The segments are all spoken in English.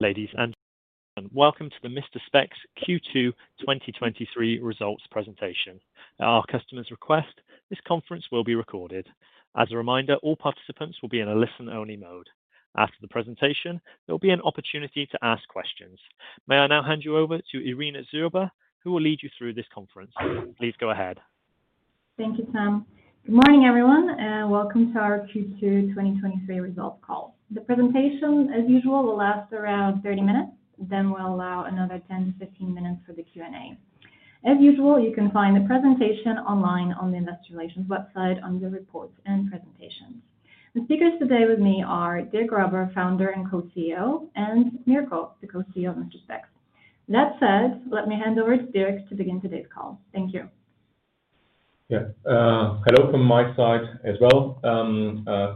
Ladies and gentlemen, welcome to the Mister Spex Q2 2023 Results Presentation. At our customer's request, this conference will be recorded. As a reminder, all participants will be in a listen-only mode. After the presentation, there will be an opportunity to ask questions. May I now hand you over to Irina Zhurba, who will lead you through this conference? Please go ahead. Thank you, Sam. Good morning, everyone, and welcome to our Q2 2023 results call. The presentation, as usual, will last around 30 minutes, then we'll allow another 10-15 minutes for the Q&A. As usual, you can find the presentation online on the Investor Relations website, under Reports and Presentations. The speakers today with me are Dirk Graber, Founder and Co-CEO, and Mirko Caspar, the Co-CEO of Mister Spex. That said, let me hand over to Dirk to begin today's call. Thank you. Yeah. Hello from my side as well.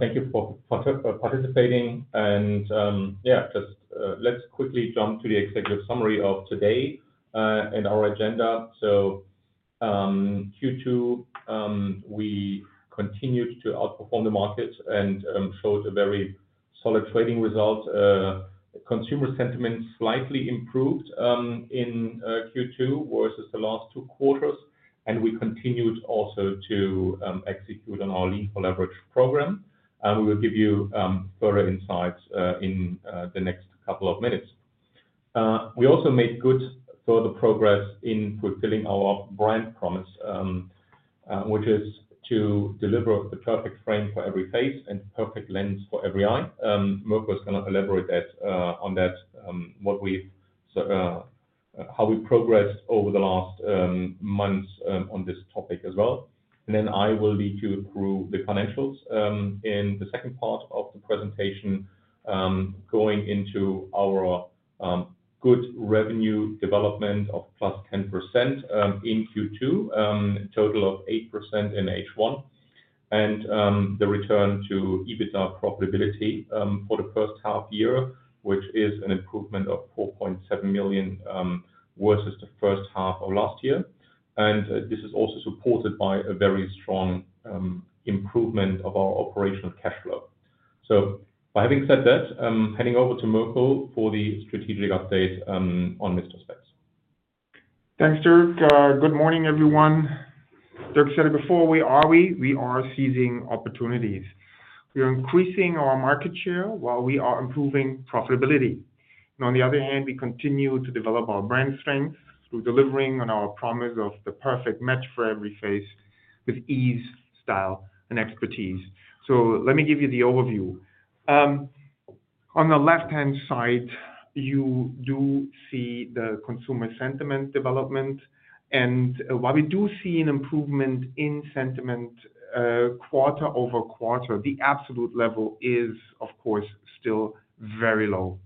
Thank you for participating, and yeah, just let's quickly jump to the executive summary of today and our agenda. So, Q2, we continued to outperform the market and showed a very solid trading result. Consumer sentiment slightly improved in Q2 versus the last two quarters, and we continued also to execute on our Lean 4 Leverage program. And we will give you further insights in the next couple of minutes. We also made good further progress in fulfilling our brand promise, which is to deliver the perfect frame for every face and perfect lens for every eye. Mirko is gonna elaborate that, on that, how we progressed over the last months, on this topic as well. And then I will lead you through the financials, in the second part of the presentation, going into our, good revenue development of +10%, in Q2, total of 8% in H1, and, the return to EBITDA profitability, for the first half year, which is an improvement of 4.7 million, versus the first half of last year. And, this is also supported by a very strong, improvement of our operational cash flow. So by having said that, I'm handing over to Mirko for the strategic update, on Mister Spex. Thanks, Dirk. Good morning, everyone. Dirk said it before, where are we? We are seizing opportunities. We are increasing our market share while we are improving profitability. And on the other hand, we continue to develop our brand strength through delivering on our promise of the perfect match for every face with ease, style, and expertise. So let me give you the overview. On the left-hand side, you do see the consumer sentiment development, and while we do see an improvement in sentiment, quarter-over-quarter, the absolute level is, of course, still very low.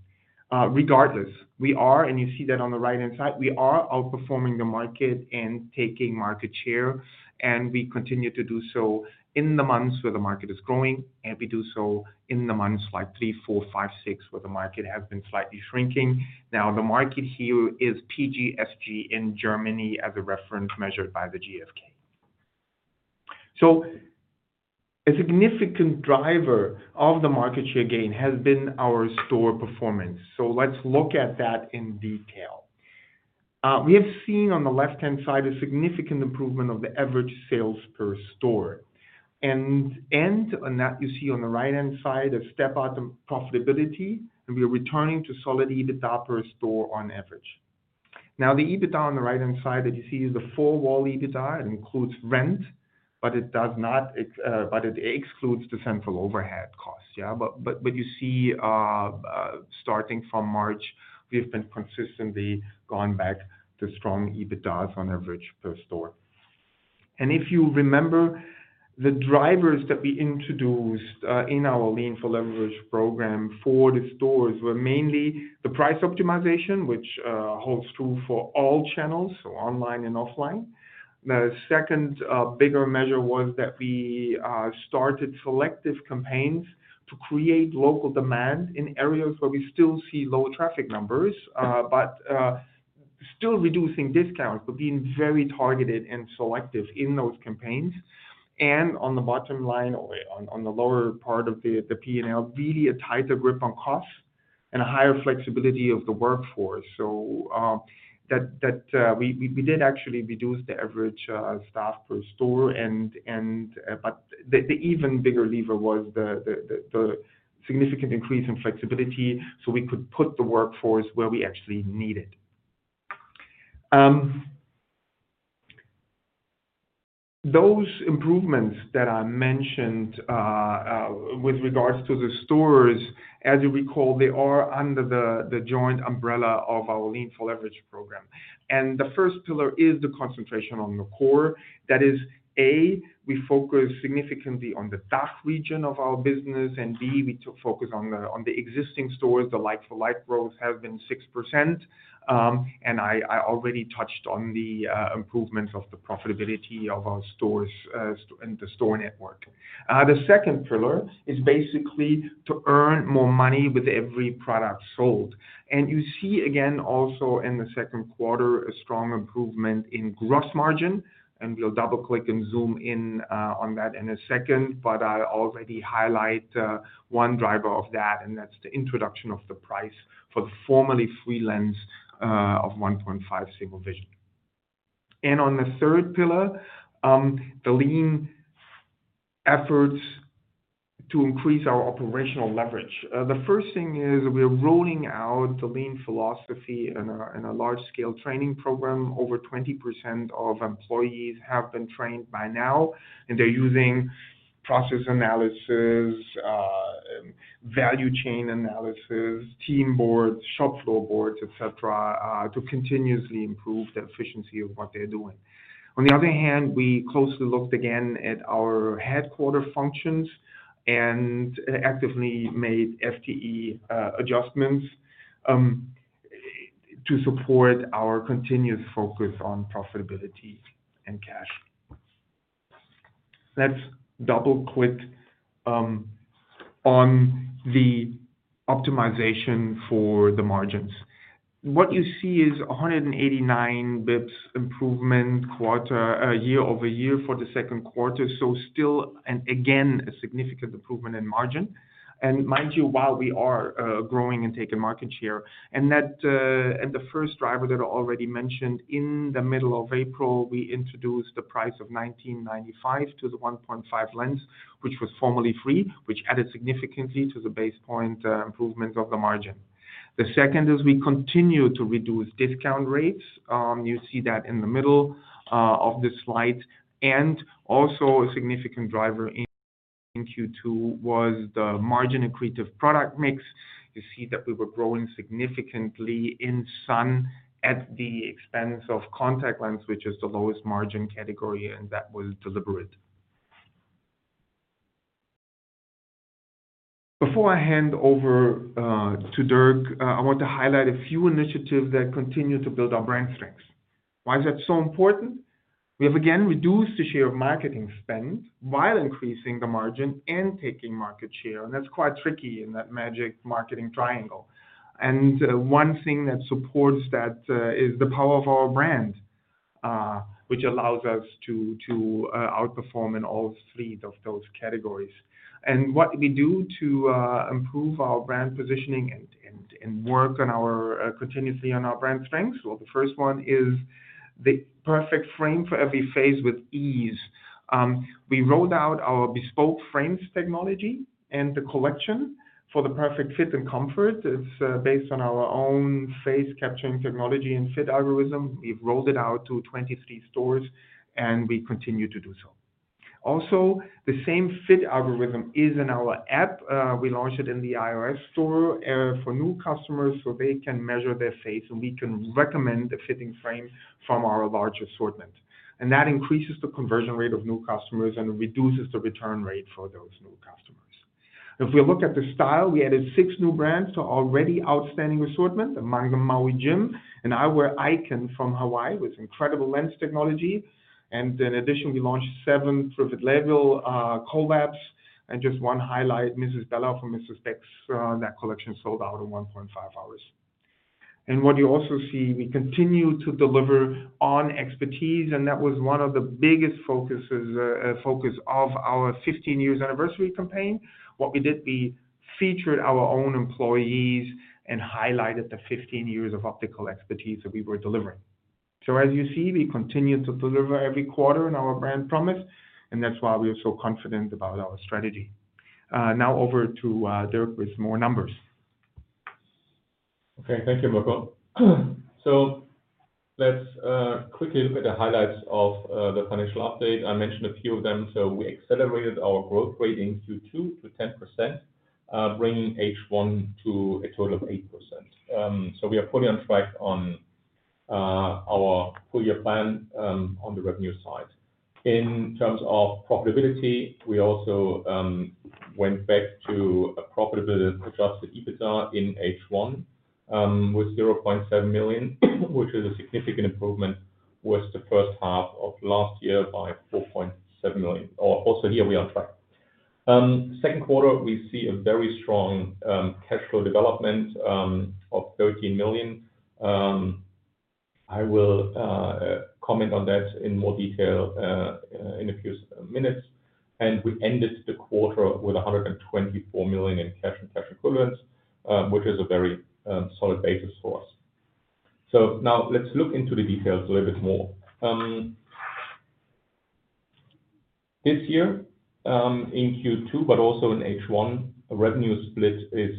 Regardless, we are, and you see that on the right-hand side, we are outperforming the market and taking market share, and we continue to do so in the months where the market is growing, and we do so in the months like three, four, five, six, where the market has been slightly shrinking. Now, the market here is PG & SG in Germany as a reference measured by the GfK. So a significant driver of the market share gain has been our store performance. So let's look at that in detail. We have seen on the left-hand side a significant improvement of the average sales per store. And, and on that, you see on the right-hand side, a step out of profitability, and we are returning to solid EBITDA per store on average. Now, the EBITDA on the right-hand side that you see is the full wall EBITDA. It includes rent, but it does not, but it excludes the central overhead costs. Yeah, but, but, but you see, starting from March, we've been consistently gone back to strong EBITDA on average per store. And if you remember, the drivers that we introduced in our Lean 4 Leverage program for the stores were mainly the price optimization, which holds true for all channels, so online and offline. The second bigger measure was that we started selective campaigns to create local demand in areas where we still see low traffic numbers, but still reducing discounts, but being very targeted and selective in those campaigns. And on the bottom line or on the lower part of the P&L, really a tighter grip on costs and a higher flexibility of the workforce. So, we did actually reduce the average staff per store and but the significant increase in flexibility, so we could put the workforce where we actually need it. Those improvements that I mentioned with regards to the stores, as you recall, they are under the joint umbrella of our Lean 4 Leverage program, and the first pillar is the concentration on the core. That is, A, we focus significantly on the DACH region of our business, and B, we to focus on the existing stores. The like-for-like growth have been 6%, and I already touched on the improvements of the profitability of our stores and the store network. The second pillar is basically to earn more money with every product sold. And you see, again, also in the second quarter, a strong improvement in gross margin, and we'll double-click and zoom in on that in a second. But I already highlight one driver of that, and that's the introduction of the price for the formerly free lens of 1.5 single vision.... And on the third pillar, the lean efforts to increase our operational leverage. The first thing is we're rolling out the lean philosophy in a large-scale training program. Over 20% of employees have been trained by now, and they're using process analysis, value chain analysis, team boards, shop floor boards, et cetera, to continuously improve the efficiency of what they're doing. On the other hand, we closely looked again at our headquarters functions and actively made FTE adjustments to support our continuous focus on profitability and cash. Let's double-click on the optimization for the margins. What you see is 189 BPS improvement quarter year-over-year for the second quarter, so still, and again, a significant improvement in margin. And mind you, while we are growing and taking market share, and that, and the first driver that I already mentioned, in the middle of April, we introduced the price of 19.95 to the 1.5 lens, which was formerly free, which added significantly to the basis point improvement of the margin. The second is we continue to reduce discount rates. You see that in the middle of this slide. Also a significant driver in Q2 was the margin-accretive product mix. You see that we were growing significantly in sun at the expense of contact lens, which is the lowest margin category, and that was deliberate. Before I hand over to Dirk, I want to highlight a few initiatives that continue to build our brand strengths. Why is that so important? We have again reduced the share of marketing spend while increasing the margin and taking market share, and that's quite tricky in that magic marketing triangle. And one thing that supports that is the power of our brand, which allows us to outperform in all three of those categories. And what we do to improve our brand positioning and work continuously on our brand strengths? Well, the first one is the perfect frame for every face with ease. We rolled out our bespoke frames technology and the collection for the perfect fit and comfort. It's based on our own face-capturing technology and fit algorithm. We've rolled it out to 23 stores, and we continue to do so. Also, the same fit algorithm is in our app. We launched it in the iOS store for new customers, so they can measure their face, and we can recommend the fitting frame from our large assortment. And that increases the conversion rate of new customers and reduces the return rate for those new customers. If we look at the style, we added six new brands to already outstanding assortment, among them Maui Jim, an eyewear icon from Hawaii, with incredible lens technology. In addition, we launched seven private label collabs, and just one highlight, Mrs. Bella from Mister Spex. That collection sold out in 1.5 hours. What you also see, we continue to deliver on expertise, and that was one of the biggest focuses of our 15-year anniversary campaign. What we did, we featured our own employees and highlighted the 15 years of optical expertise that we were delivering. So as you see, we continue to deliver every quarter in our brand promise, and that's why we are so confident about our strategy. Now over to Dirk with more numbers. Okay, thank you, Mirko. So let's quickly look at the highlights of the financial update. I mentioned a few of them. We accelerated our growth rating to 2%-10%, bringing H1 to a total of 8%. We are fully on track on our full-year plan on the revenue side. In terms of profitability, we also went back to a profitable adjusted EBITDA in H1 with 0.7 million, which is a significant improvement versus the first half of last year by 4.7 million. Or also here, we are on track. Second quarter, we see a very strong cash flow development of 13 million. I will comment on that in more detail in a few minutes. We ended the quarter with 124 million in cash and cash equivalents, which is a very solid basis for us. Now let's look into the details a little bit more. This year, in Q2, but also in H1, revenue split is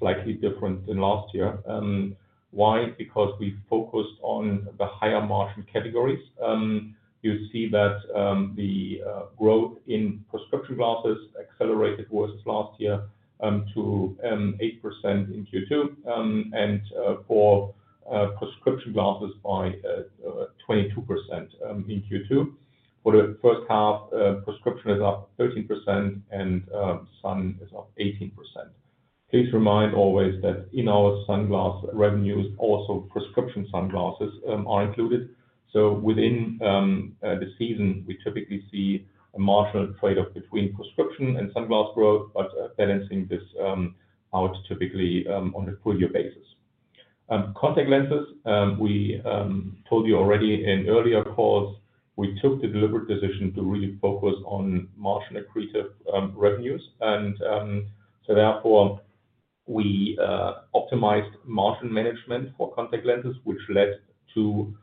slightly different than last year. Why? Because we focused on the higher-margin categories. You see that the growth in prescription glasses accelerated versus last year to 8% in Q2, and for prescription glasses by 22% in Q2. For the first half, prescription is up 13% and sun is up 18%. Please remind always that in our sunglass revenues, also prescription sunglasses, are included. So within the season, we typically see a marginal trade-off between prescription and sunglasses growth, but balancing this out typically on a full-year basis. Contact lenses, we told you already in earlier calls, we took the deliberate decision to really focus on margin-accretive revenues, and so therefore we optimized margin management for contact lenses, which led to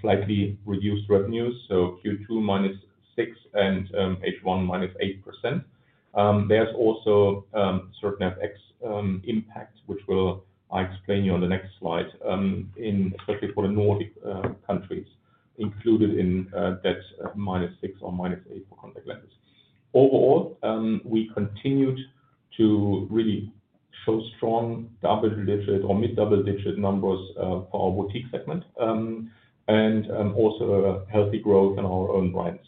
slightly reduced revenues, so Q2 -6% and H1 -8%. There's also certain FX impact, which I will explain to you on the next slide, especially for the Nordic countries, included in that -6% or -8% for contact lenses. Overall, we continued to really show strong double-digit or mid-double-digit numbers for our boutique segment and also a healthy growth in our own brands.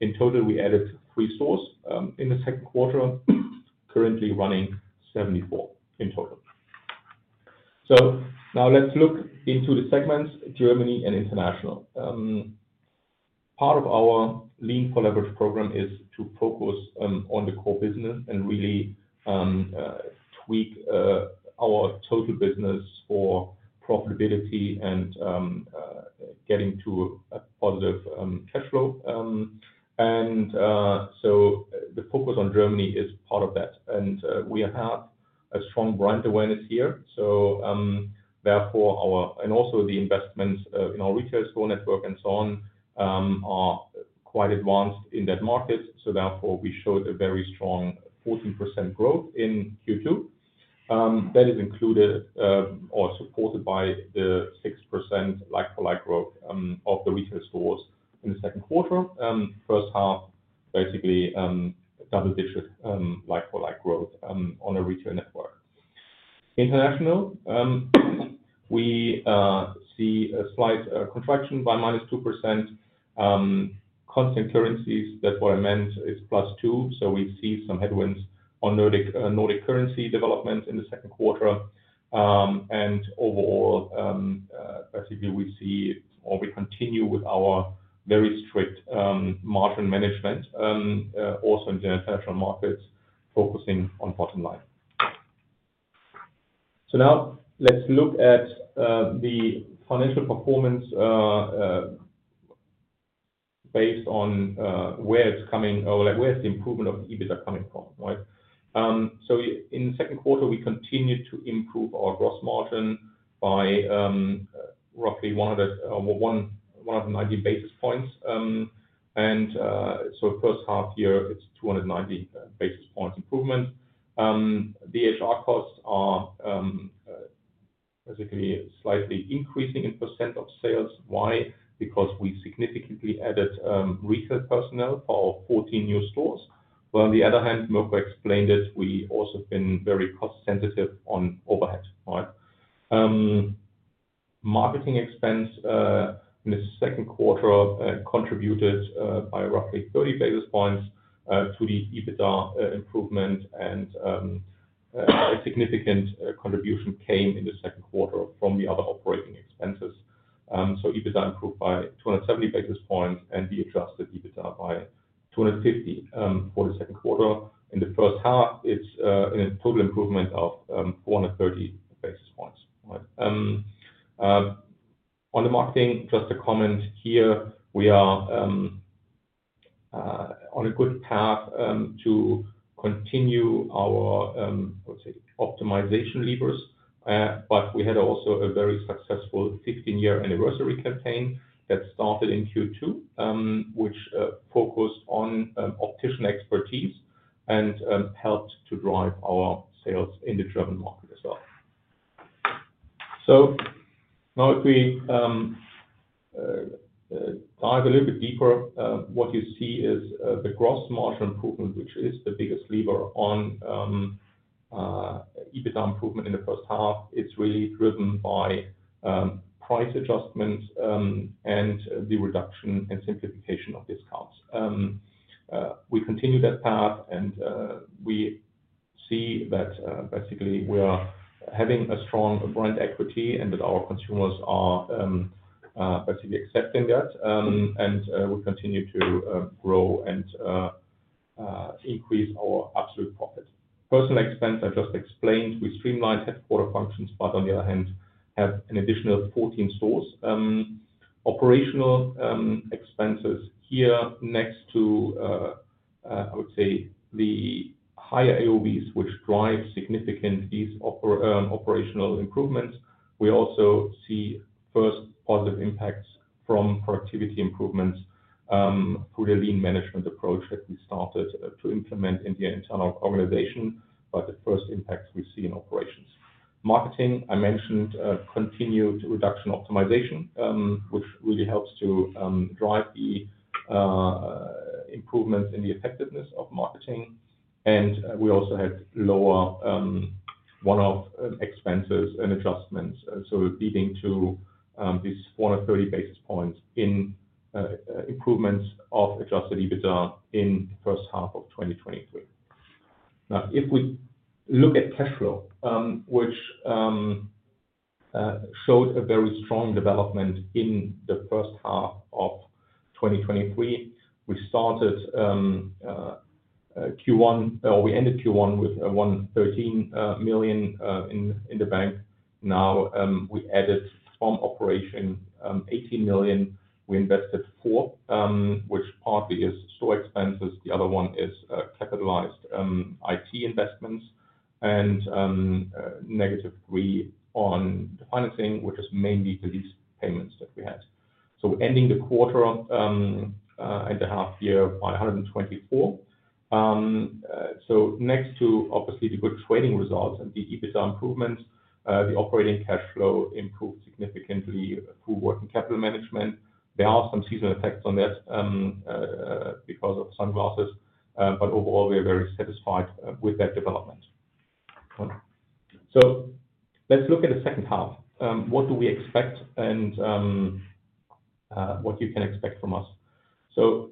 In total, we added three stores in the second quarter, currently running 74 in total. So now let's look into the segments, Germany and International. Part of our Lean 4 Leverage program is to focus on the core business and really tweak our total business for profitability and getting to a positive cash flow. And so the focus on Germany is part of that. We have a strong brand awareness here, so therefore our and also the investments in our retail store network and so on are quite advanced in that market. So therefore, we showed a very strong 14% growth in Q2. That is included or supported by the 6% like-for-like growth of the retail stores in the second quarter. First half, basically, double-digit like-for-like growth on a retail network. International, we see a slight contraction by -2%, constant currencies, that what I meant is +2%, so we see some headwinds on Nordic, Nordic currency development in the second quarter. And overall, basically, we see or we continue with our very strict margin management also in general international markets, focusing on bottom line. So now let's look at the financial performance based on where it's coming or, like, where is the improvement of the EBITDA coming from, right? So in the second quarter, we continued to improve our gross margin by roughly 190 basis points. So first half year, it's 290 basis points improvement. The HR costs are basically slightly increasing in percent of sales. Why? Because we significantly added retail personnel for our 14 new stores, but on the other hand, Mirko explained it, we also have been very cost sensitive on overhead, right? Marketing expense in the second quarter contributed by roughly 30 basis points to the EBITDA improvement, and a significant contribution came in the second quarter from the other operating expenses. So EBITDA improved by 270 basis points, and the adjusted EBITDA by 250 for the second quarter. In the first half, it's in a total improvement of 130 basis points, right? On the marketing, just a comment here, we are on a good path to continue our, let's say, optimization levers, but we had also a very successful 15-year anniversary campaign that started in Q2, which focused on optician expertise and helped to drive our sales in the German market as well. So now, if we dive a little bit deeper, what you see is the gross margin improvement, which is the biggest lever on EBITDA improvement in the first half. It's really driven by price adjustments and the reduction and simplification of discounts. We continue that path, and we see that basically we are having a strong brand equity and that our consumers are basically accepting that, and we continue to grow and increase our absolute profit. Personnel expense, I just explained, we streamlined headquarters functions, but on the other hand, have an additional 14 stores. Operational expenses here next to, I would say, the higher AOVs, which drive significant operational improvements. We also see first positive impacts from productivity improvements through the lean management approach that we started to implement in the internal organization, but the first impacts we see in operations. Marketing, I mentioned, continued reduction optimization, which really helps to drive the improvements in the effectiveness of marketing. We also had lower one-off expenses and adjustments, so leading to this 130 basis points in improvements of adjusted EBITDA in the first half of 2023. Now, if we look at cash flow, which showed a very strong development in the first half of 2023, we ended Q1 with 113 million in the bank. Now, we added from operation 18 million. We invested 4 million, which partly is store expenses, the other one is capitalized IT investments, and negative 3 million on the financing, which is mainly the lease payments that we had. So ending the quarter and the half year, 124 million. So next to obviously the good trading results and the EBITDA improvements, the operating cash flow improved significantly through working capital management. There are some seasonal effects on that, because of sunglasses, but overall, we are very satisfied with that development. So let's look at the second half. What do we expect and what you can expect from us? So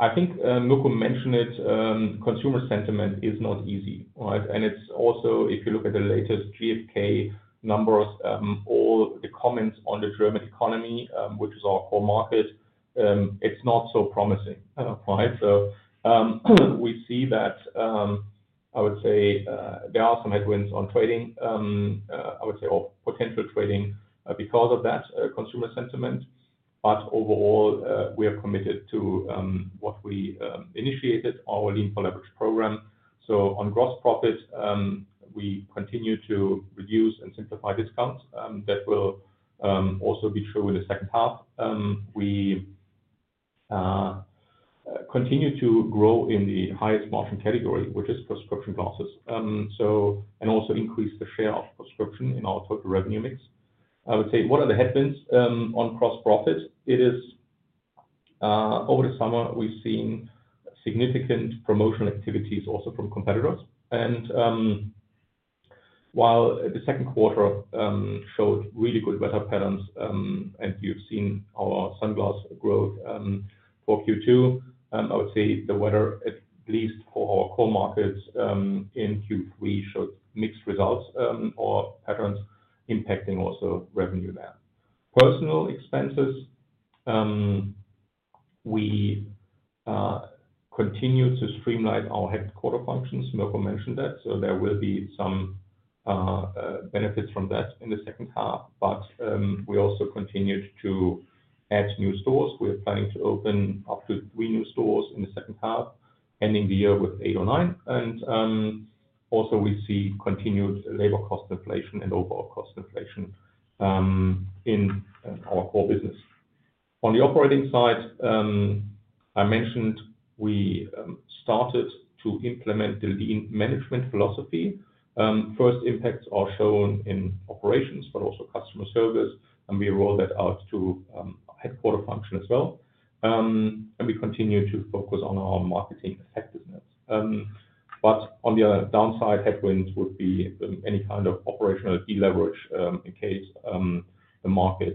I think, Mirko mentioned it, consumer sentiment is not easy, right? And it's also, if you look at the latest GfK numbers, all the comments on the German economy, which is our core market, it's not so promising, right? So, we see that, I would say, there are some headwinds on trading, I would say, or potential trading, because of that, consumer sentiment. But overall, we are committed to what we initiated, our Lean 4 Leverage program. So on gross profit, we continue to reduce and simplify discounts, that will also be true in the second half. We continue to grow in the highest margin category, which is prescription glasses. So, and also increase the share of prescription in our total revenue mix. I would say, what are the headwinds on gross profit? It is, over the summer, we've seen significant promotional activities also from competitors. And, while the second quarter showed really good weather patterns, and you've seen our sunglasses growth, for Q2, I would say the weather, at least for our core markets, in Q3, showed mixed results, or patterns impacting also revenue there. Personnel expenses, we continue to streamline our headquarters functions. Mirko mentioned that, so there will be some benefits from that in the second half, but we also continued to add new stores. We're planning to open up to three new stores in the second half, ending the year with eight or nine. Also we see continued labor cost inflation and overall cost inflation in our core business. On the operating side, I mentioned we started to implement the lean management philosophy. First impacts are shown in operations, but also customer service, and we roll that out to headquarters function as well. We continue to focus on our marketing effectiveness. But on the other downside, headwinds would be any kind of operational deleverage in case the market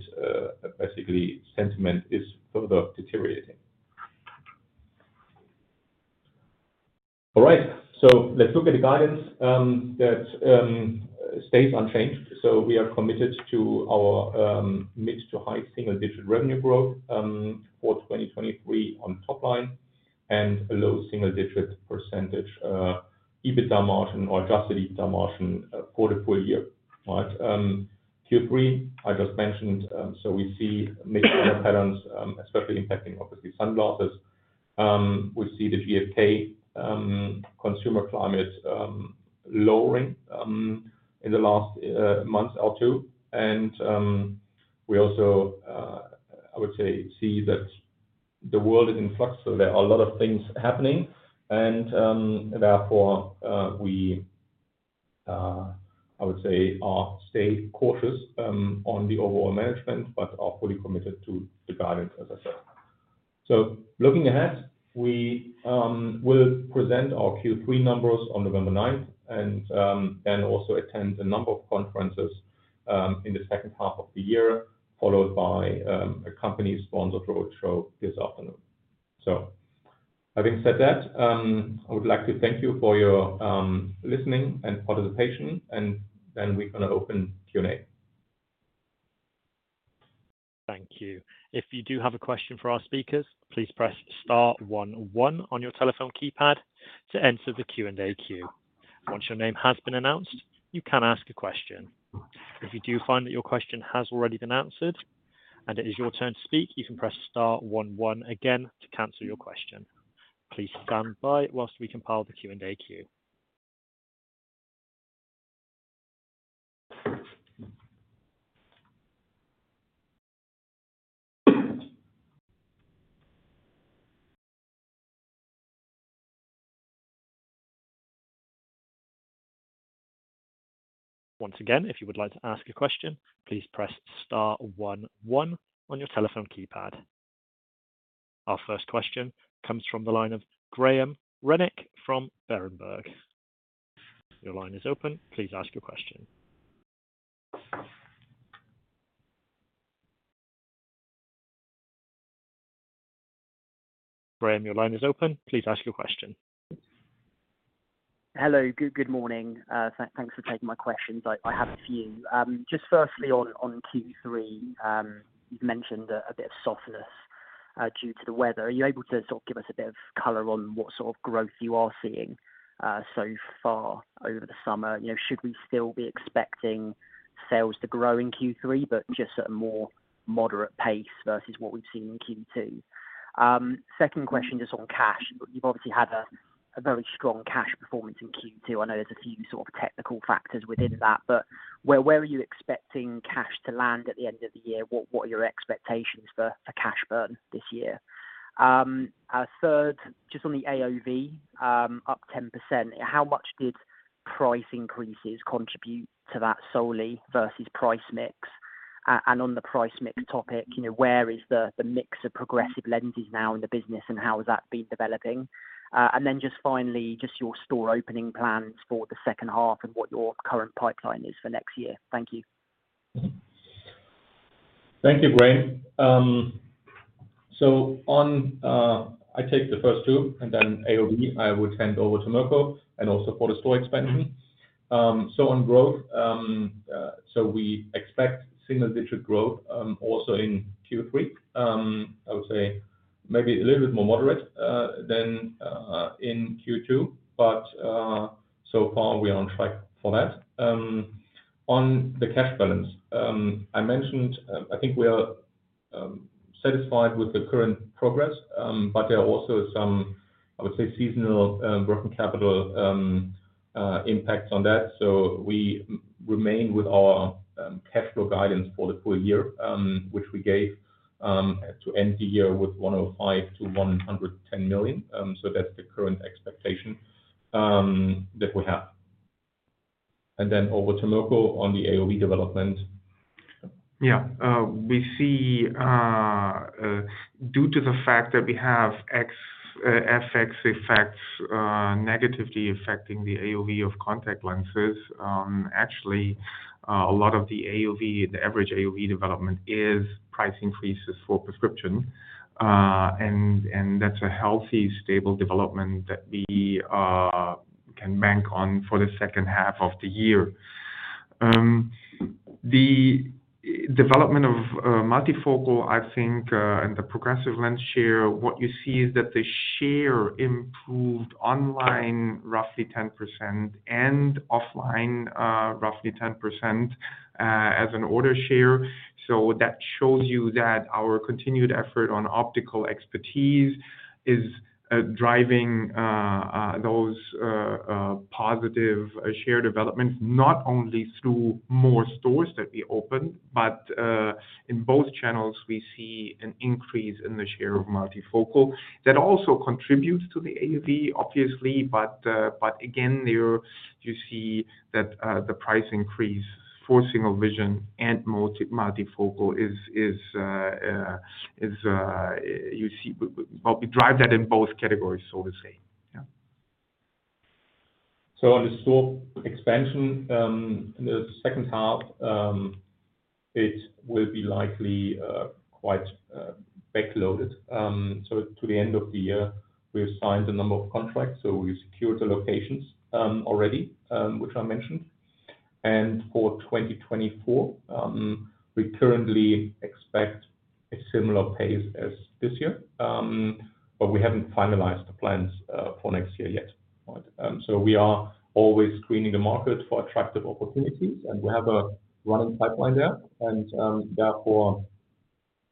basically sentiment is further deteriorating. All right, so let's look at the guidance that stays unchanged. So we are committed to our mid- to high single-digit revenue growth for 2023 on top line and a low single-digit percentage EBITDA margin or adjusted EBITDA margin for the full-year. Right? Q3, I just mentioned, so we see mixed patterns, especially impacting obviously sunglasses. We see the GfK Consumer Climate lowering in the last month or two. And we also, I would say, see that the world is in flux, so there are a lot of things happening and therefore we, I would say, are stay cautious on the overall management, but are fully committed to the guidance, as I said. So looking ahead, we will present our Q3 numbers on November ninth, and also attend a number of conferences in the second half of the year, followed by a company-sponsored roadshow this afternoon. So having said that, I would like to thank you for your listening and participation, and then we're gonna open Q&A. Thank you. If you do have a question for our speakers, please press star one one on your telephone keypad to enter the Q&A queue. Once your name has been announced, you can ask a question. If you do find that your question has already been answered and it is your turn to speak, you can press star one one again to cancel your question. Please stand by while we compile the Q&A queue. Once again, if you would like to ask a question, please press star one one on your telephone keypad. Our first question comes from the line of Graham Renwick from Berenberg. Your line is open. Please ask your question. Graham, your line is open. Please ask your question. Hello, good morning. Thanks for taking my questions. I have a few. Just firstly, on Q3, you've mentioned a bit of softness. Due to the weather, are you able to sort of give us a bit of color on what sort of growth you are seeing, so far over the summer? You know, should we still be expecting sales to grow in Q3, but just at a more moderate pace versus what we've seen in Q2? Second question, just on cash. You've obviously had a very strong cash performance in Q2. I know there's a few sort of technical factors within that, but where are you expecting cash to land at the end of the year? What are your expectations for, for cash burn this year? Third, just on the AOV, up 10%, how much did price increases contribute to that solely versus price mix? And on the price mix topic, you know, where is the, the mix of progressive lenses now in the business, and how has that been developing? And then just finally, just your store opening plans for the second half and what your current pipeline is for next year. Thank you. Mm-hmm. Thank you, Graham. So on, I take the first two, and then AOV, I would hand over to Mirko and also for the store expansion. So on growth, so we expect single-digit growth, also in Q3. I would say maybe a little bit more moderate than in Q2, but so far, we are on track for that. On the cash balance, I mentioned, I think we are satisfied with the current progress, but there are also some, I would say, seasonal working capital impacts on that. So we remain with our cash flow guidance for the full-year, which we gave, to end the year with 105 million-110 million. So that's the current expectation that we have. Over to Mirko on the AOV development. Yeah. We see, due to the fact that we have FX effects negatively affecting the AOV of contact lenses, actually, a lot of the AOV, the average AOV development is price increases for prescription. And that's a healthy, stable development that we can bank on for the second half of the year. The development of multifocal, I think, and the progressive lens share, what you see is that the share improved online roughly 10% and offline, roughly 10%, as an order share. So that shows you that our continued effort on optical expertise is driving those positive share developments, not only through more stores that we open, but in both channels we see an increase in the share of multifocal. That also contributes to the AOV, obviously, but, but again, there you see that, the price increase for single vision and multifocal is, you see... We, well, we drive that in both categories, so the same. Yeah. So, on the scope expansion, in the second half, it will be likely quite backloaded. To the end of the year, we assigned a number of contracts, so we secured the locations already, which I mentioned. For 2024, we currently expect a similar pace as this year, but we haven't finalized the plans for next year yet. So we are always screening the market for attractive opportunities, and we have a running pipeline there, and therefore,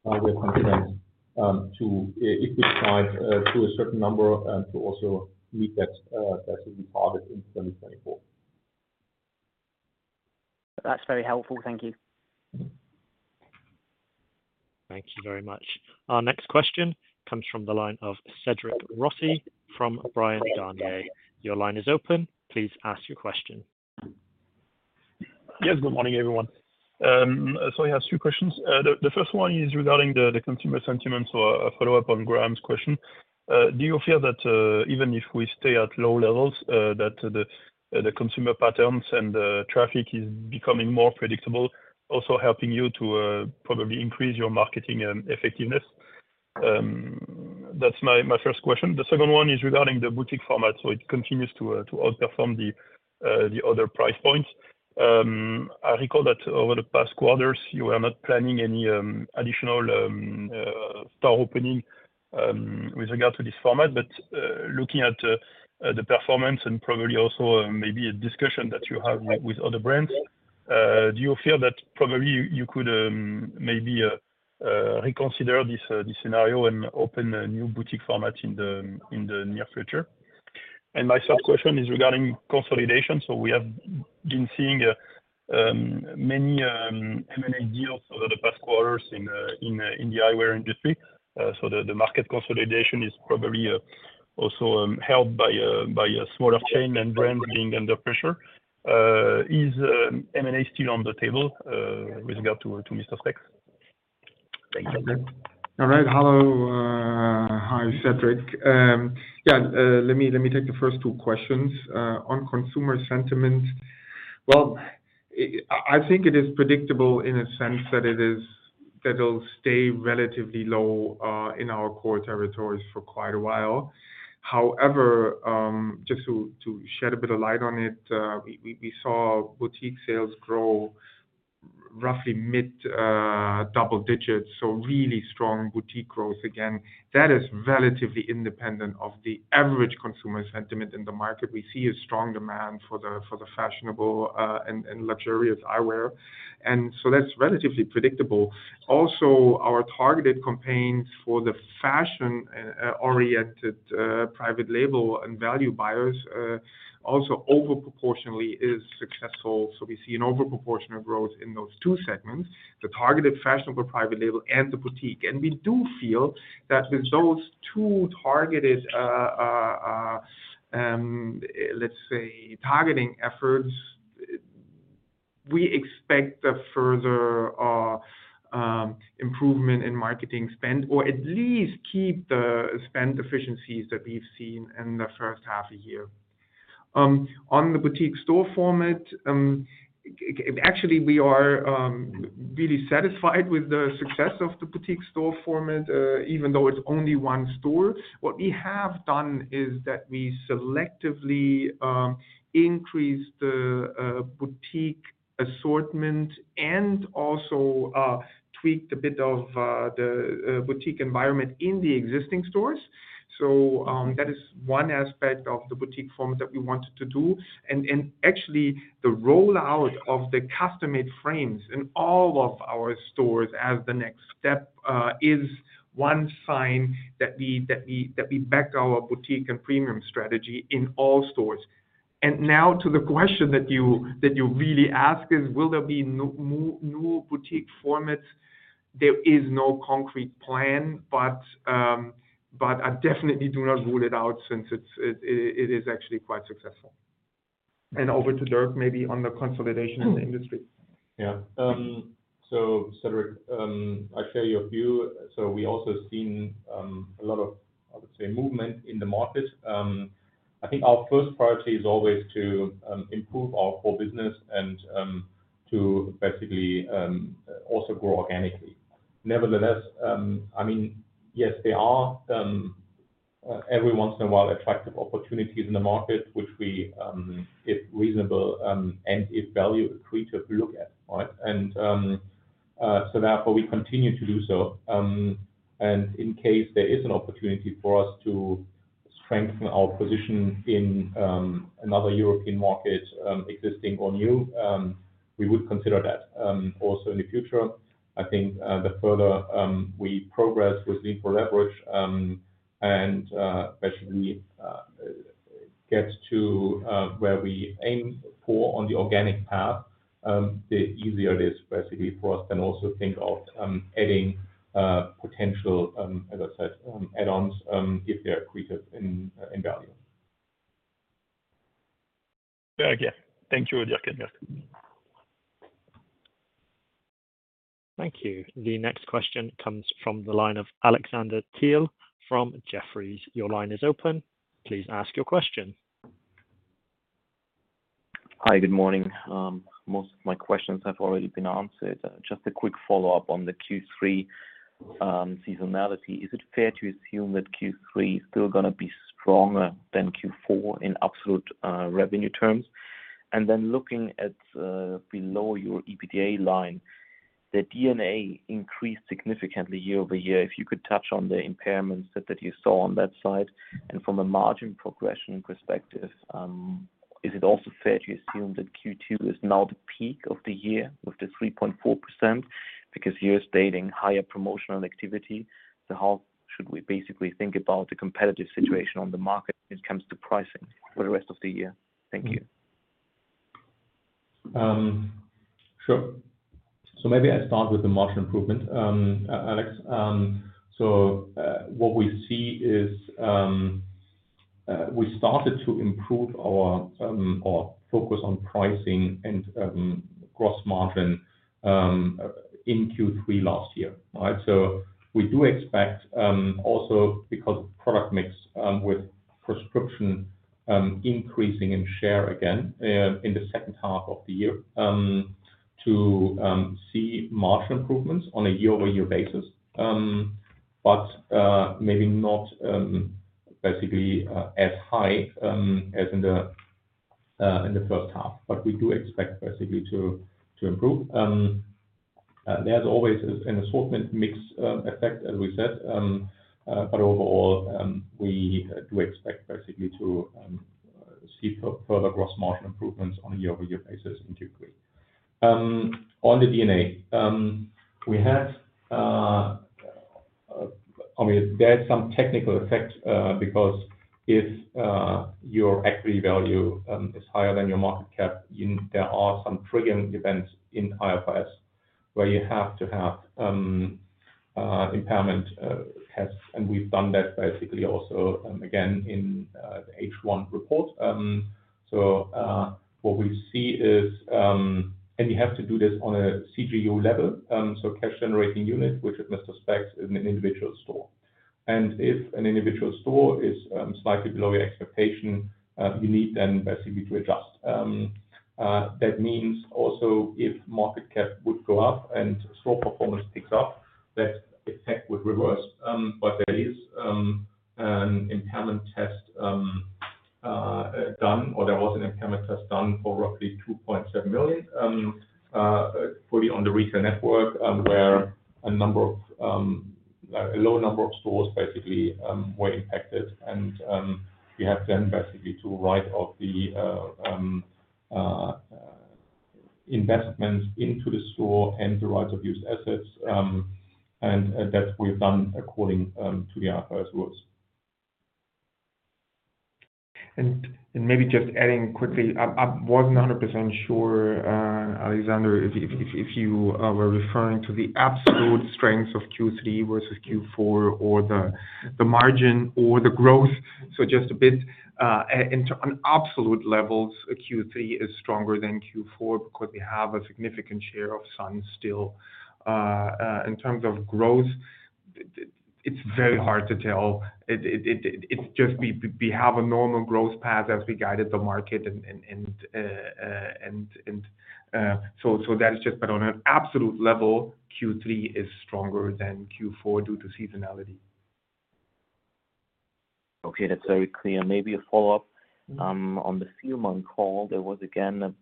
we are confident to equalize to a certain number, and to also meet that that will be targeted in 2024. That's very helpful. Thank you. Thank you very much. Our next question comes from the line of Cédric Rossi from Bryan, Garnier. Your line is open. Please ask your question. Yes, good morning, everyone. So I have two questions. The first one is regarding the consumer sentiment, so a follow-up on Graham's question. Do you feel that even if we stay at low levels that the consumer patterns and the traffic is becoming more predictable, also helping you to probably increase your marketing effectiveness? That's my first question. The second one is regarding the boutique format. So it continues to outperform the other price points. I recall that over the past quarters, you were not planning any additional store opening with regard to this format. But, looking at the performance and probably also maybe a discussion that you have with other brands, do you feel that probably you could maybe reconsider this scenario and open a new boutique format in the near future? And my third question is regarding consolidation. So we have been seeing many M&A deals over the past quarters in the eyewear industry. So the market consolidation is probably also helped by a smaller chain and brand being under pressure. Is M&A still on the table with regard to Mister Spex? Thank you. All right. Hello. Hi, Cédric. Yeah, let me take the first two questions. On consumer sentiment, well, I think it is predictable in a sense that it is, that it'll stay relatively low in our core territories for quite a while. However, just to shed a bit of light on it, we saw boutique sales grow roughly mid double-digits, so really strong boutique growth again. That is relatively independent of the average consumer sentiment in the market. We see a strong demand for the fashionable and luxurious eyewear, and so that's relatively predictable. Also, our targeted campaigns for the fashion oriented private label and value buyers also over proportionally is successful. So we see an over proportional growth in those two segments, the targeted fashionable private label and the boutique. And we do feel that with those two targeted, let's say, targeting efforts, we expect a further improvement in marketing spend, or at least keep the spend efficiencies that we've seen in the first half of the year. On the boutique store format, actually, we are really satisfied with the success of the boutique store format, even though it's only one store. What we have done is that we selectively increased the boutique assortment and also tweaked a bit of the boutique environment in the existing stores. So, that is one aspect of the boutique format that we wanted to do. Actually, the rollout of the custom-made frames in all of our stores as the next step is one sign that we back our boutique and premium strategy in all stores. Now, to the question that you really ask is, will there be no more new boutique formats? There is no concrete plan, but I definitely do not rule it out since it is actually quite successful. Over to Dirk, maybe on the consolidation in the industry. Yeah. So, Cédric, I share your view. So we also seen a lot of, I would say, movement in the market. I think our first priority is always to improve our core business and to basically also grow organically. Nevertheless, I mean, yes, there are every once in a while attractive opportunities in the market, which we, if reasonable and if value accretive, we look at, right? And so therefore, we continue to do so. And in case there is an opportunity for us to strengthen our position in another European market, existing or new, we would consider that also in the future. I think the further we progress with Lean 4 Leverage and basically gets to where we aim for on the organic path, the easier it is basically for us, then also think of adding potential, as I said, add-ons, if they're accretive in value. Yeah. Thank you, Dirk and Jessica. Thank you. The next question comes from the line of Alexander Thiel from Jefferies. Your line is open. Please ask your question. Hi, good morning. Most of my questions have already been answered. Just a quick follow-up on the Q3 seasonality. Is it fair to assume that Q3 is still gonna be stronger than Q4 in absolute revenue terms? And then looking at below your EBITDA line, the D&A increased significantly year-over-year. If you could touch on the impairments that, that you saw on that side. And from a margin progression perspective, is it also fair to assume that Q2 is now the peak of the year with the 3.4%, because you're stating higher promotional activity? So how should we basically think about the competitive situation on the market when it comes to pricing for the rest of the year? Thank you. Sure. So maybe I start with the margin improvement. Alex, so what we see is we started to improve our focus on pricing and gross margin in Q3 last year, right? So we do expect also because of product mix with prescription increasing in share again in the second half of the year to see margin improvements on a year-over-year basis. But maybe not basically as high as in the first half, but we do expect basically to improve. There's always an assortment mix effect, as we said, but overall we do expect basically to see further gross margin improvements on a year-over-year basis in Q3. On the D&A, we have... I mean, there's some technical effect, because if your equity value is higher than your market cap, there are some triggering events in IFRS, where you have to have impairment tests, and we've done that basically also again in the H1 report. So, what we see is... And we have to do this on a CGU level, so cash generating unit, which at Mister Spex, is an individual store. And if an individual store is slightly below your expectation, you need then basically to adjust. That means also if market cap would go up and store performance picks up, that effect would reverse. But there is an impairment test... There was an impairment test done for roughly 2.7 million, fully on the retail network, where a low number of stores basically were impacted. And we have then basically to write off the investment into the store and the right of use assets. And that we've done according to the IFRS rules. Maybe just adding quickly, I wasn't 100% sure, Alexander, if you were referring to the absolute strengths of Q3 versus Q4, or the margin or the growth. So just a bit, and on absolute levels, Q3 is stronger than Q4 because we have a significant share of sunglasses still. In terms of growth, it's just we have a normal growth path as we guided the market and, so that is just... But on an absolute level, Q3 is stronger than Q4 due to seasonality. Okay, that's very clear. Maybe a follow-up. On the few month call, there was again a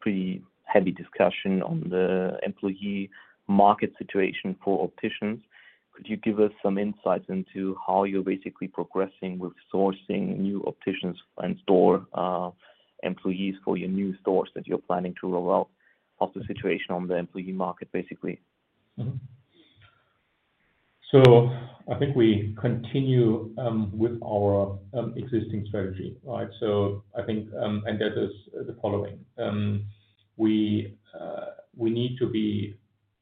pretty heavy discussion on the employee market situation for opticians. Could you give us some insights into how you're basically progressing with sourcing new opticians and store employees for your new stores that you're planning to roll out of the situation on the employee market, basically? Mm-hmm. So I think we continue with our existing strategy, right? So I think, and that is the following: we need to be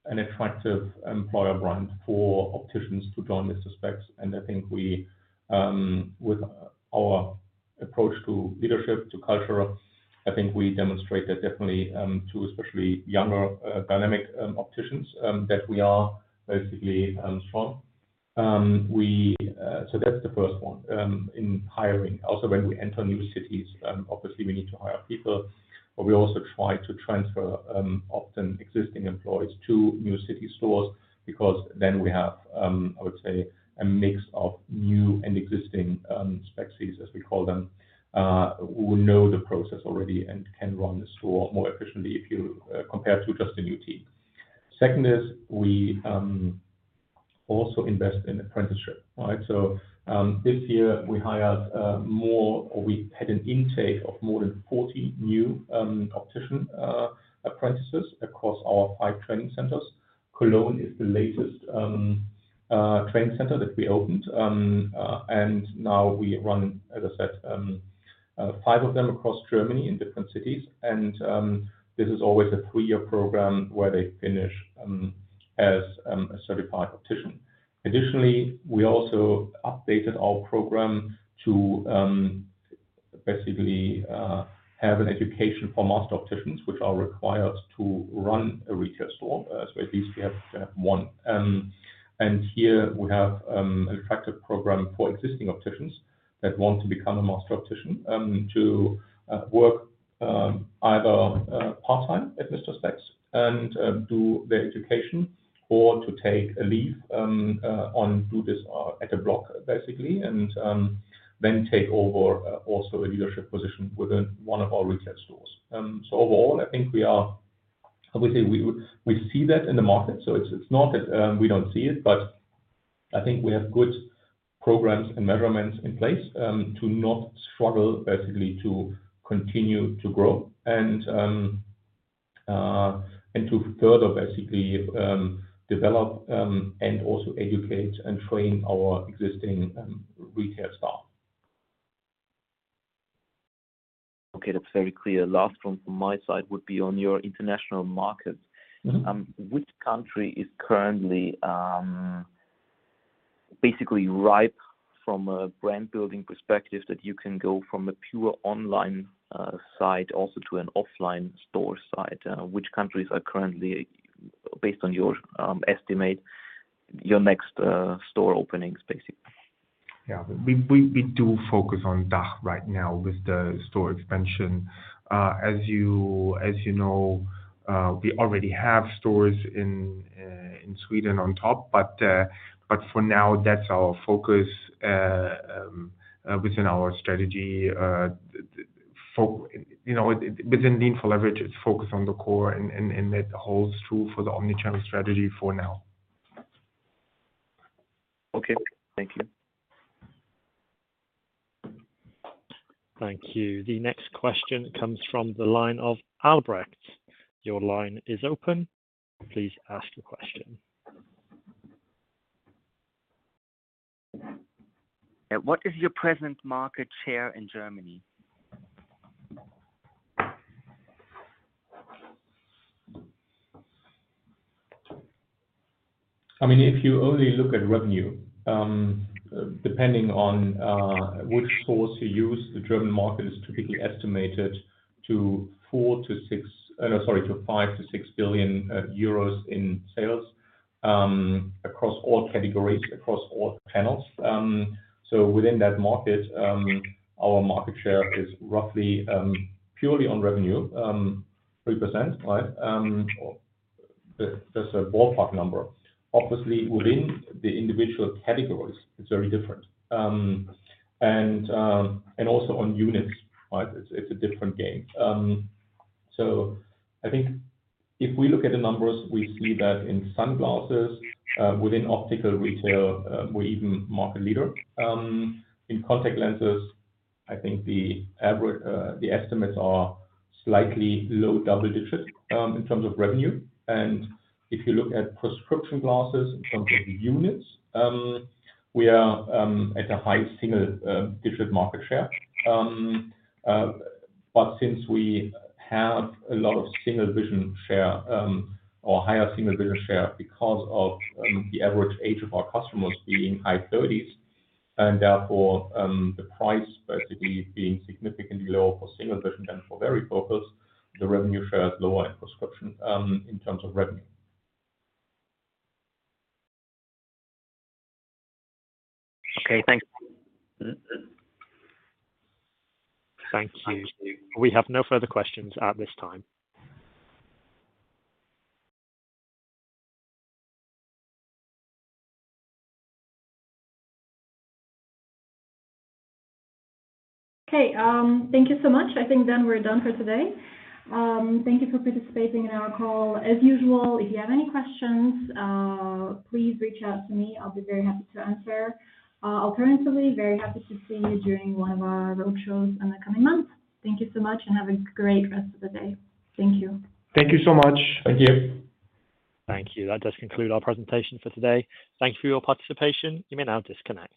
an attractive employer brand for opticians to join Spex. And I think, with our approach to leadership, to culture, I think we demonstrate that definitely, to especially younger, dynamic opticians, that we are basically strong. So that's the first one in hiring. Also, when we enter new cities, obviously, we need to hire people, but we also try to transfer, often existing employees to new city stores, because then we have, I would say, a mix of new and existing, Spexies, as we call them, who know the process already and can run the store more efficiently if you, compare to just a new team. Second is, we, also invest in apprenticeship, right? So, this year we hired, more, or we had an intake of more than 40 new, optician, apprentices across our five training centers. Cologne is the latest, training center that we opened. And now we run, as I said, five of them across Germany in different cities. This is always a three-year program where they finish as a certified optician. Additionally, we also updated our program to basically have an education for master opticians, which are required to run a retail store, so at least we have one. Here we have an attractive program for existing opticians that want to become a master optician to work either part-time at Mister Spex and do their education or to take a leave, do this at a block, basically, and then take over also a leadership position within one of our retail stores. So overall, I think we are. I would say we see that in the market, so it's not that we don't see it, but I think we have good programs and measurements in place to not struggle, basically, to continue to grow and to further basically develop and also educate and train our existing retail staff. Okay, that's very clear. Last one from my side would be on your international markets. Mm-hmm. Which country is currently basically ripe from a brand building perspective, that you can go from a pure online site also to an offline store site? Which countries are currently, based on your estimate, your next store openings, basically? Yeah. We do focus on DACH right now with the store expansion. As you know, we already have stores in Sweden on top, but for now, that's our focus within our strategy, you know, within Lean 4 Leverage, it's focused on the core, and that holds true for the omnichannel strategy for now. Okay. Thank you. Thank you. The next question comes from the line of Albrecht. Your line is open. Please ask your question. Yeah, what is your present market share in Germany? I mean, if you only look at revenue, depending on which source you use, the German market is typically estimated to five to six billion euros in sales across all categories, across all channels. So within that market, our market share is roughly, purely on revenue, 3%, right? That, that's a ballpark number. Obviously, within the individual categories, it's very different. And also on units, right? It's a different game. So I think if we look at the numbers, we see that in sunglasses, within optical retail, we're even market leader. In contact lenses, I think the average, the estimates are slightly low double-digits in terms of revenue. If you look at prescription glasses in terms of units, we are at a high single-digit market share. But since we have a lot of single vision share, or higher single vision share, because of the average age of our customers being high thirties, and therefore, the price basically being significantly lower for single vision than for varifocal, the revenue share is lower in prescription, in terms of revenue. Okay, thanks. Thank you. We have no further questions at this time. Okay, thank you so much. I think then we're done for today. Thank you for participating in our call. As usual, if you have any questions, please reach out to me. I'll be very happy to answer. Alternatively, very happy to see you during one of our roadshows in the coming months. Thank you so much and have a great rest of the day. Thank you. Thank you so much. Thank you. Thank you. That does conclude our presentation for today. Thank you for your participation. You may now disconnect.